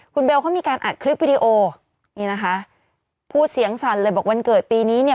คุณเบลเขามีการอัดคลิปวิดีโอนี่นะคะพูดเสียงสั่นเลยบอกวันเกิดปีนี้เนี่ย